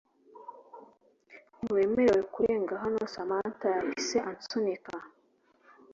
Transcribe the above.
ntiwemerewe kurenga hano Samantha yahise ansunika